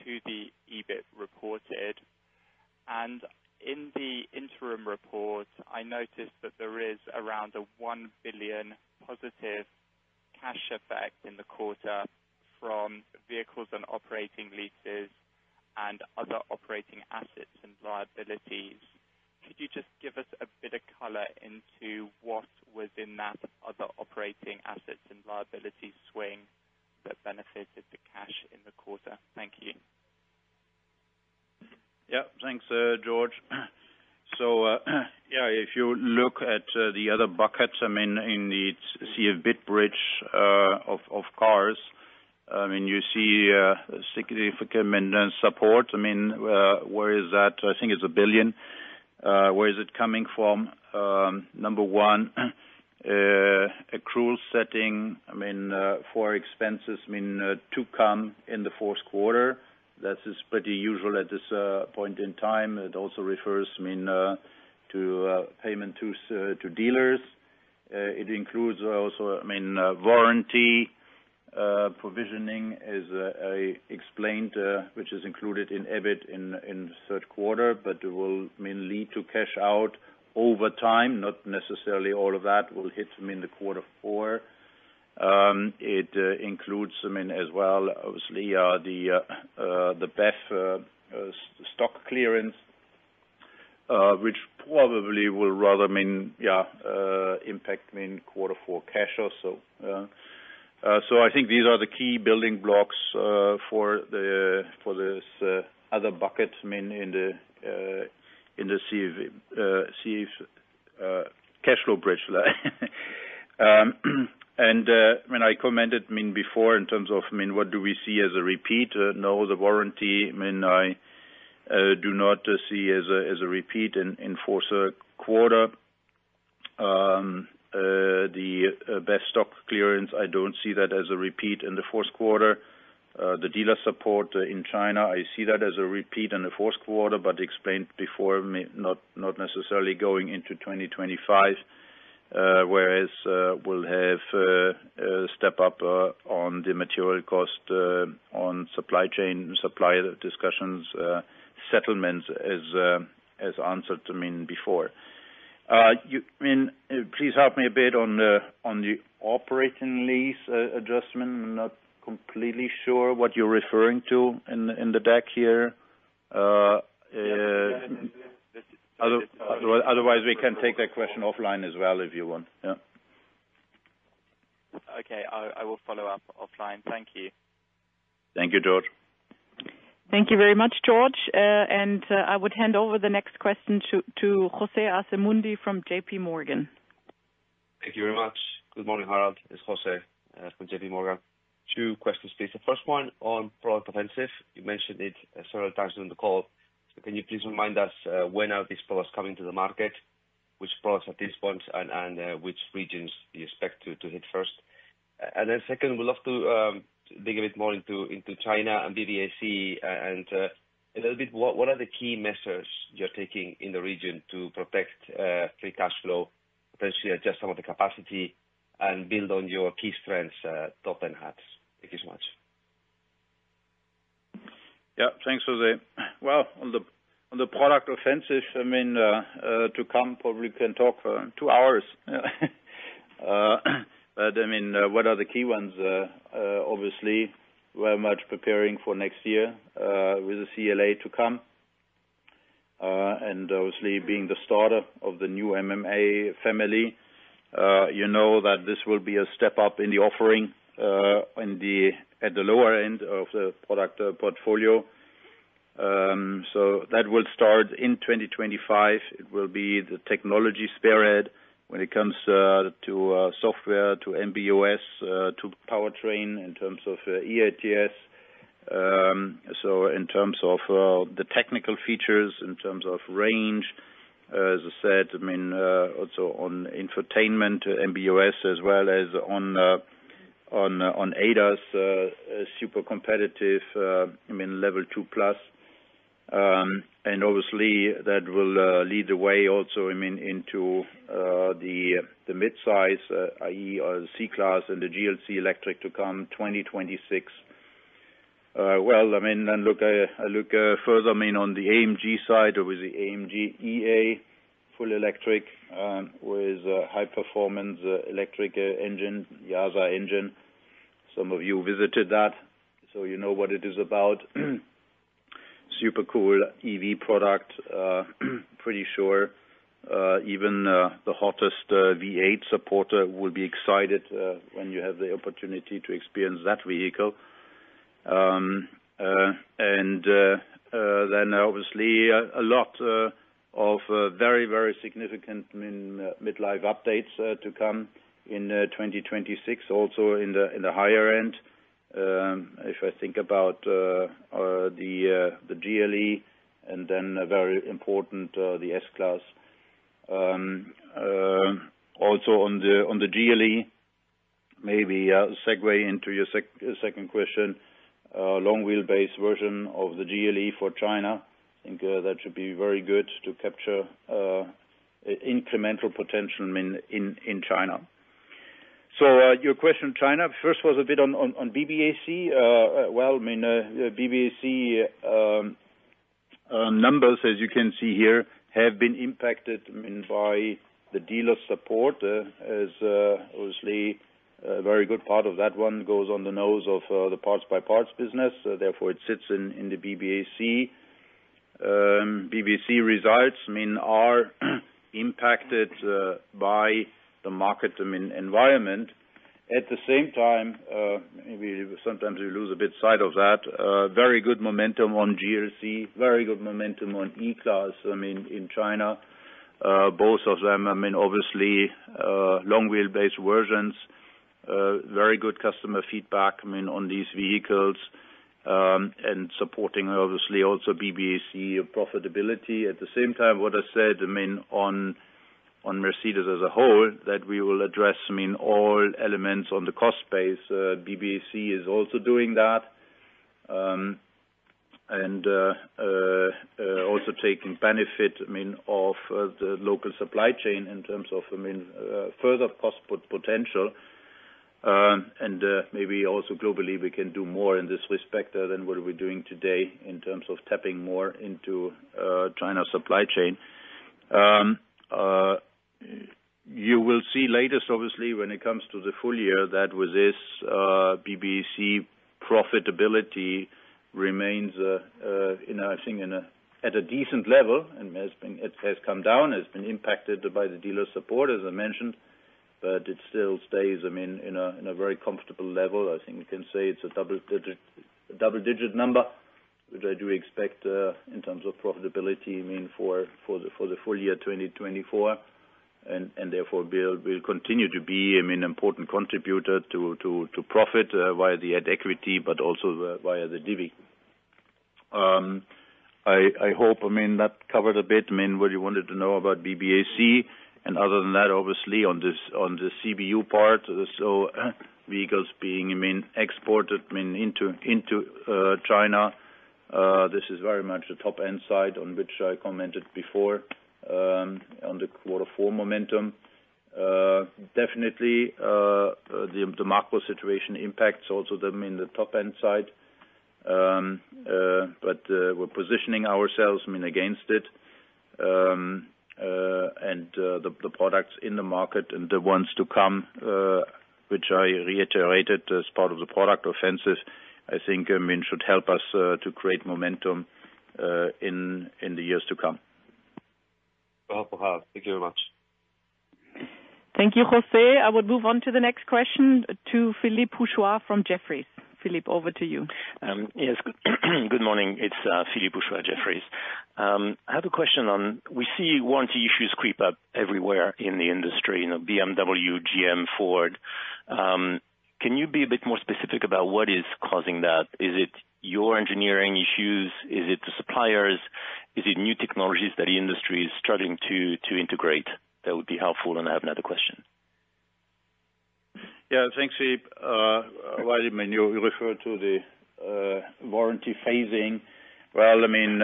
to the EBIT reported. And in the interim report, I noticed that there is around a 1 billion positive cash effect in the quarter from vehicles and operating leases and other operating assets and liabilities. Could you just give us a bit of color into what was in that other operating assets and liabilities swing that benefited the cash in the quarter? Thank you. Yeah, thanks, George. So, yeah, if you look at the other buckets, I mean, in the CFBIT bridge of cars, I mean, you see significant in support. I mean, where is that? I think it's 1 billion. Where is it coming from? Number one, accrual setting, I mean, for expenses, I mean, to come in the fourth quarter. That is pretty usual at this point in time. It also refers, I mean, to payment to dealers. It includes also, I mean, warranty provisioning, as I explained, which is included in EBIT in the third quarter, but will mainly lead to cash out over time. Not necessarily all of that will hit them in quarter four. It includes them in as well, obviously, the BEV stock clearance, which probably will rather mean impact in quarter four cash or so. So I think these are the key building blocks for this other bucket, I mean, in the CV cash flow bridge, and when I commented before in terms of what do we see as a repeat. No, the warranty, I mean, I do not see as a repeat in fourth quarter. The BEV stock clearance, I don't see that as a repeat in the fourth quarter. The dealer support in China, I see that as a repeat in the fourth quarter, but explained before, may not not necessarily going into 2025. Whereas, we'll have a step up on the material cost on supply chain, supplier discussions, settlements as answered, I mean, before. You-- I mean, please help me a bit on the operating lease adjustment. I'm not completely sure what you're referring to in the deck here. Yes. Otherwise, we can take that question offline as well, if you want. Yeah. Okay, I will follow up offline. Thank you. Thank you, George. Thank you very much, George. I would hand over the next question to Jose Asumendi from J.P. Morgan. Thank you very much. Good morning, Harald. It's Jose from J.P. Morgan. Two questions, please. The first one on product offensive, you mentioned it several times during the call. Can you please remind us, when are these products coming to the market? Which products at this point and which regions do you expect to hit first? And then second, we'd love to dig a bit more into China and BBAC, and a little bit, what are the key measures you're taking in the region to protect free cash flow, potentially adjust some of the capacity and build on your key strengths, top end hats? Thank you so much. Yeah. Thanks, Jose. Well, on the product offensive, I mean, to come, probably we can talk for two hours. But, I mean, what are the key ones? Obviously, we are much preparing for next year, with the CLA to come... and obviously being the starter of the new MMA family, you know that this will be a step up in the offering, in the, at the lower end of the product portfolio. So that will start in 2025. It will be the technology spirit when it comes, to software, to MB.OS, to powertrain in terms of EATS. So in terms of the technical features, in terms of range, as I said, I mean, also on infotainment, MB.OS, as well as on ADAS, super competitive, I mean, Level two plus. And obviously that will lead the way also, I mean, into the midsize, i.e., the C-Class and the GLC electric to come 2026. Well, I mean, then look, I look further, I mean, on the AMG side, with the AMG.EA full electric, with high performance electric engine, YASA engine. Some of you visited that, so you know what it is about. Super cool EV product, pretty sure even the hottest V8 supporter will be excited when you have the opportunity to experience that vehicle. And then obviously a lot of very, very significant, I mean, midlife updates to come in 2026, also in the higher end. If I think about the GLE and then very important, the S-Class. Also on the GLE, maybe segue into your second question, long wheel base version of the GLE for China. I think that should be very good to capture incremental potential, I mean, in China. So, your question, China, first was a bit on BBAC. Well, I mean, BBAC numbers, as you can see here, have been impacted, I mean, by the dealer support, as obviously a very good part of that one goes on the nose of the parts by parts business, so therefore it sits in the BBAC. BBAC results, I mean, are impacted by the market, I mean, environment. At the same time, maybe sometimes we lose a bit of sight of that very good momentum on GLC, very good momentum on E-Class, I mean, in China. Both of them, I mean, obviously long wheelbase versions, very good customer feedback, I mean, on these vehicles, and supporting obviously also BBAC profitability. At the same time, what I said, I mean, on, on Mercedes as a whole, that we will address, I mean, all elements on the cost base, BBAC is also doing that. And also taking benefit, I mean, of the local supply chain in terms of, I mean, further cost potential. And maybe also globally, we can do more in this respect than what we're doing today in terms of tapping more into China's supply chain. You will see latest, obviously, when it comes to the full year, that with this, BBAC profitability remains, you know, I think in a, at a decent level, and it has come down, has been impacted by the dealer support, as I mentioned, but it still stays, I mean, in a, in a very comfortable level. I think we can say it's a double digit, a double-digit number, which I do expect, in terms of profitability, I mean, for the full year 2024, and therefore will continue to be, I mean, important contributor to profit, via the equity, but also via the divvy. I hope, I mean, that covered a bit, I mean, what you wanted to know about BBAC, and other than that, obviously on the CBU part, so vehicles being, I mean, exported, I mean, into China, this is very much the top-end side on which I commented before, on the quarter four momentum. Definitely, the macro situation impacts also them in the top-end side. But we're positioning ourselves, I mean, against it, and the products in the market and the ones to come, which I reiterated as part of the product offensive, I think. I mean, should help us to create momentum in the years to come. Thank you very much. Thank you, José. I would move on to the next question, to Philippe Houchois from Jefferies. Philippe, over to you. Yes. Good morning. It's Philippe Houchois, Jefferies. I have a question on, we see warranty issues creep up everywhere in the industry, you know, BMW, GM, Ford. Can you be a bit more specific about what is causing that? Is it your engineering issues? Is it the suppliers? Is it new technologies that the industry is struggling to integrate? That would be helpful, and I have another question. Yeah, thanks, Philippe. Well, I mean, you refer to the warranty phasing. Well, I mean,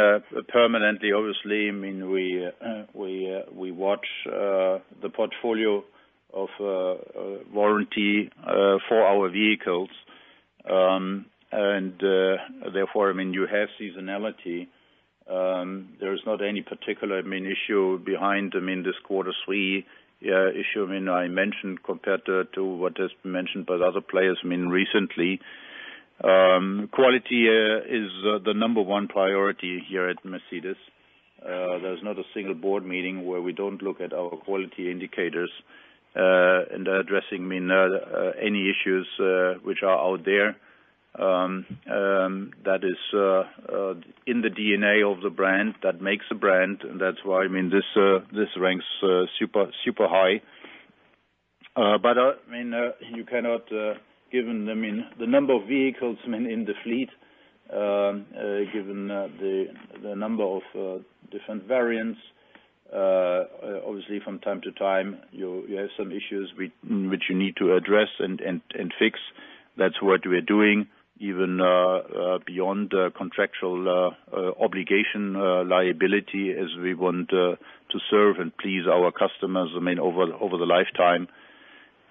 permanently, obviously, I mean, we watch the portfolio of warranty for our vehicles. And therefore, I mean, you have seasonality. There is not any particular issue behind them in this quarter three issue, I mean, I mentioned compared to what has been mentioned by the other players, I mean, recently. Quality is the number one priority here at Mercedes. There's not a single board meeting where we don't look at our quality indicators, and addressing any issues which are out there. That is in the DNA of the brand, that makes a brand, and that's why, I mean, this ranks super, super high. But, I mean, you cannot, given, I mean, the number of vehicles, I mean, in the fleet, given the number of different variants, obviously from time to time, you have some issues which you need to address and fix. That's what we're doing, even beyond the contractual obligation, liability, as we want to serve and please our customers, I mean, over the lifetime.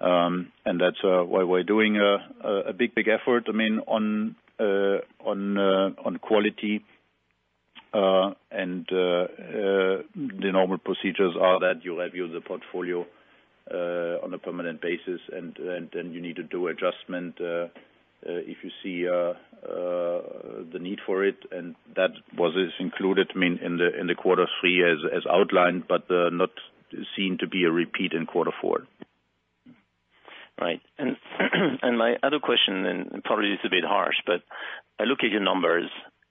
And that's why we're doing a big, big effort, I mean, on quality. And the normal procedures are that you review the portfolio on a permanent basis, and then you need to do adjustment if you see the need for it, and that was included, I mean, in the quarter three as outlined, but not seen to be a repeat in quarter four. Right. And my other question, and probably it's a bit harsh, but I look at your numbers,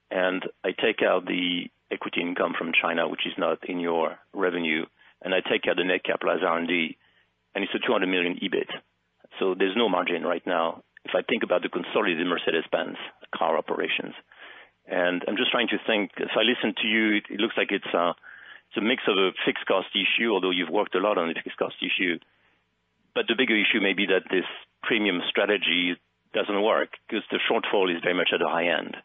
and I take out the equity income from China, which is not in your revenue, and I take out the net capitalized R&D, and it's €200 million EBIT. So there's no margin right now, if I think about the consolidated Mercedes-Benz car operations. And I'm just trying to think, if I listen to you, it looks like it's a mix of a fixed cost issue, although you've worked a lot on the fixed cost issue. But the bigger issue may be that this premium strategy doesn't work, because the shortfall is very much at the high end.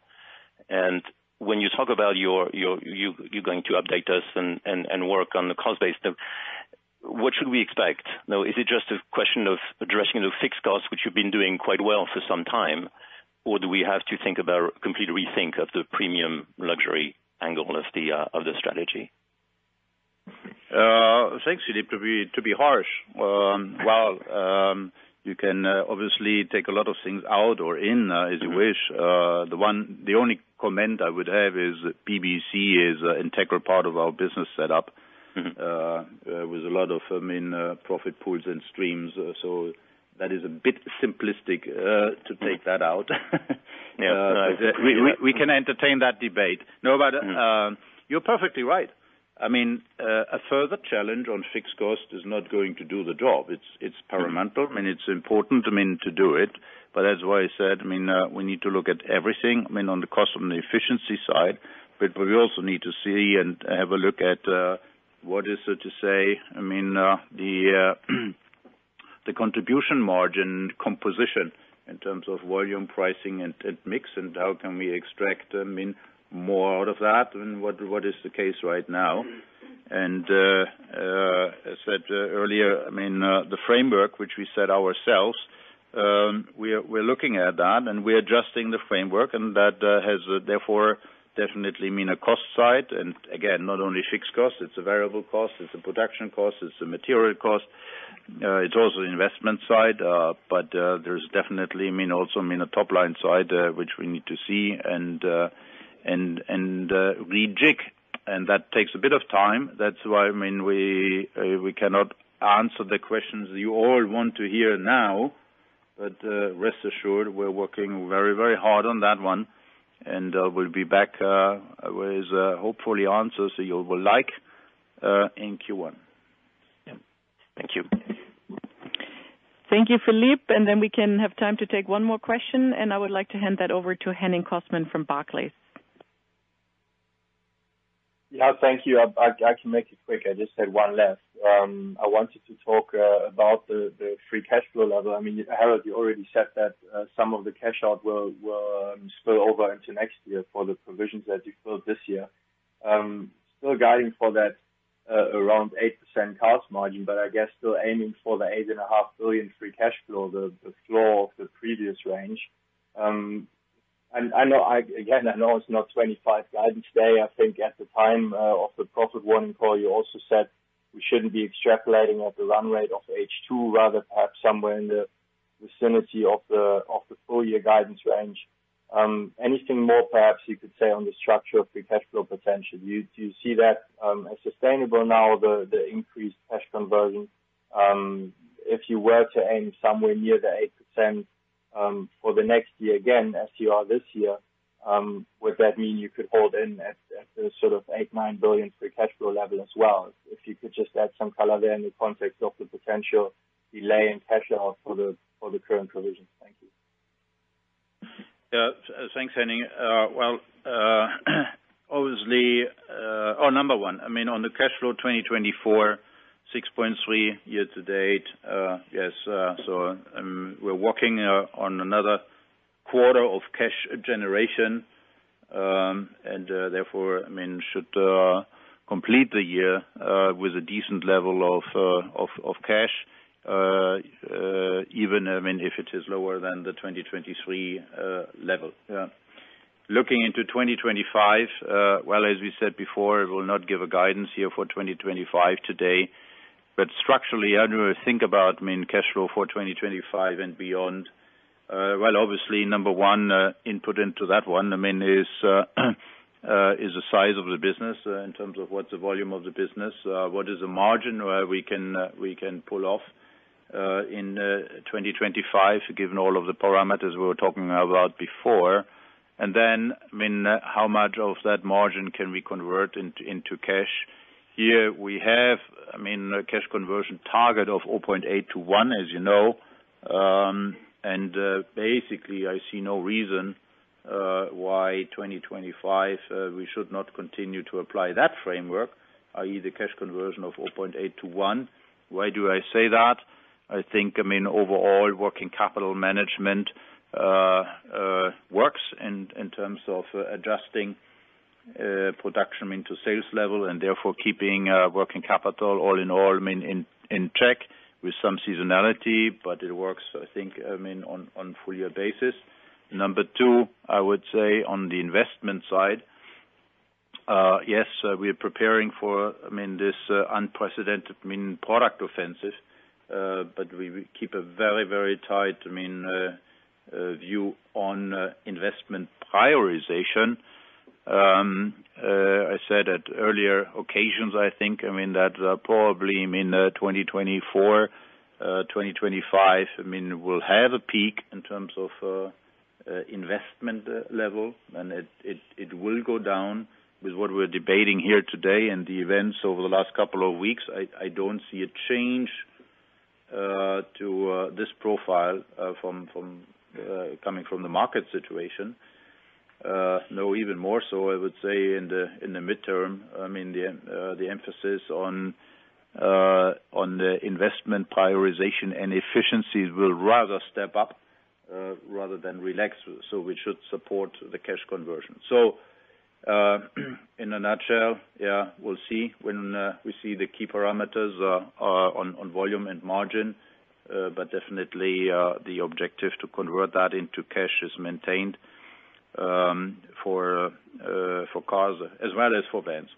And when you talk about you're going to update us and work on the cost base, then what should we expect? Now, is it just a question of addressing the fixed costs, which you've been doing quite well for some time, or do we have to think about complete rethink of the premium luxury angle of the strategy? Thanks, Philippe, to be harsh. Well, you can obviously take a lot of things out or in as you wish. The only comment I would have is BBAC is an integral part of our business setup- Mm-hmm... with a lot of, I mean, profit pools and streams, so that is a bit simplistic to take that out. Yeah. We can entertain that debate. No, but, you're perfectly right. I mean, a further challenge on fixed cost is not going to do the job. It's paramount, and it's important, I mean, to do it. But as I said, I mean, we need to look at everything, I mean, on the cost, on the efficiency side, but we also need to see and have a look at the contribution margin composition in terms of volume, pricing, and mix, and how can we extract, I mean, more out of that, and what is the case right now? As I said earlier, I mean, the framework which we set ourselves, we're looking at that, and we're adjusting the framework, and that has therefore definitely, I mean, a cost side, and again, not only fixed cost, it's a variable cost, it's a production cost, it's a material cost, it's also investment side. But there's definitely, I mean, also, I mean, a top-line side which we need to see and rejig, and that takes a bit of time. That's why, I mean, we cannot answer the questions you all want to hear now. But rest assured, we're working very, very hard on that one, and we'll be back with hopefully answers that you will like in Q1. Thank you. Thank you, Philippe. And then we can have time to take one more question, and I would like to hand that over to Henning Cosman from Barclays. Yeah, thank you. I can make it quick. I just have one left. I wanted to talk about the free cash flow level. I mean, Harald, you already said that some of the cash out will spill over into next year for the provisions that you filled this year. Still guiding for that around 8% cost margin, but I guess still aiming for the 8.5 billion free cash flow, the floor of the previous range. And I know, again, I know it's not 2025 guidance day. I think at the time of the profit warning call, you also said we shouldn't be extrapolating at the run rate of H2, rather, perhaps somewhere in the vicinity of the full year guidance range. Anything more perhaps you could say on the structure of free cash flow potential? Do you see that as sustainable now, the increased cash conversion? If you were to aim somewhere near the 8%, for the next year, again, as you are this year, would that mean you could hold in at the sort of 8-9 billion free cash flow level as well? If you could just add some color there in the context of the potential delay in cash flow for the current provisions. Thank you. Thanks, Henning. Well, obviously. Oh, number one, I mean, on the cash flow 2024, 6.3 year to date, yes, so we're working on another quarter of cash generation, and therefore, I mean, should complete the year with a decent level of cash, even, I mean, if it is lower than the 2023 level, yeah. Looking into 2025, as we said before, I will not give a guidance here for 2025 today. But structurally, how do I think about mean cash flow for 2025 and beyond? Obviously, number one, input into that one, I mean, is the size of the business in terms of what's the volume of the business, what is the margin where we can pull off in 2025, given all of the parameters we were talking about before. I mean, how much of that margin can we convert into cash? Here we have, I mean, a cash conversion target of 0.8 to 1, as you know. Basically, I see no reason why 2025 we should not continue to apply that framework, i.e., the cash conversion of 0.8 to 1. Why do I say that? I think, I mean, overall, working capital management works in terms of adjusting production into sales level and therefore keeping working capital all in all, I mean, in check with some seasonality, but it works, I think, I mean, on full year basis. Number two, I would say on the investment side, yes, we are preparing for, I mean, this unprecedented, I mean, product offensive, but we will keep a very, very tight, I mean, view on investment prioritization. I said at earlier occasions, I think, I mean, that probably in 2024, 2025, I mean, we'll have a peak in terms of investment level, and it will go down. With what we're debating here today and the events over the last couple of weeks, I don't see a change to this profile from coming from the market situation. No, even more so, I would say in the midterm, I mean, the emphasis on the investment prioritization and efficiencies will rather step up rather than relax. So we should support the cash conversion. So, in a nutshell, yeah, we'll see when we see the key parameters on volume and margin, but definitely, the objective to convert that into cash is maintained for cars as well as for vans.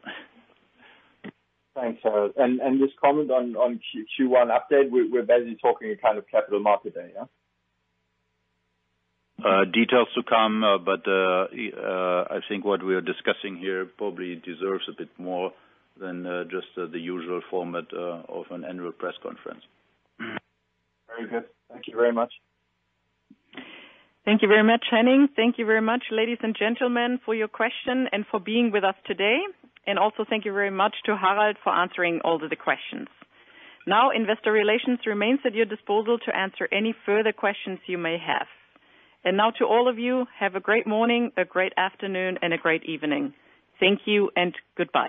Thanks, Harald. And this comment on Q1 update, we're basically talking a kind of capital market day, yeah? Details to come, but I think what we are discussing here probably deserves a bit more than just the usual format of an annual press conference. Very good. Thank you very much. Thank you very much, Henning. Thank you very much, ladies and gentlemen, for your question and for being with us today. And also thank you very much to Harald for answering all of the questions. Now, investor relations remains at your disposal to answer any further questions you may have. And now to all of you, have a great morning, a great afternoon, and a great evening. Thank you and goodbye.